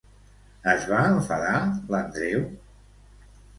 Es va enfadar l'Andreu?